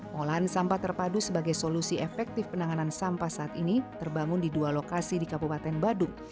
pengolahan sampah terpadu sebagai solusi efektif penanganan sampah saat ini terbangun di dua lokasi di kabupaten badung